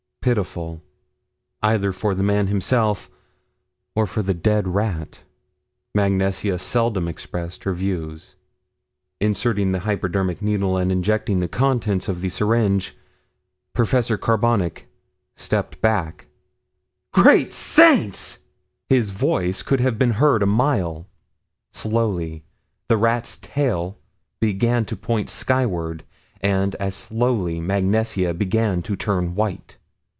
Pitiful, either for the man himself or for the dead rat. Mag Nesia seldom expressed her views. Inserting the hypodermic needle and injecting the contents of the syringe, Professor Carbonic stepped back. Prof. Carbonic Makes a Great Discovery "Great Saints!" His voice could have been heard a mile. Slowly the rat's tail began to point skyward; and as slowly Mag Nesia began to turn white.